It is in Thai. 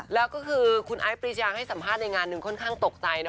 แล้วก็คือคุณไอ้ปริยาให้สัมภาษณ์ในงานหนึ่งค่อนข้างตกใจนะ